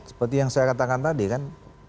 seperti yang saya katakan tadi kan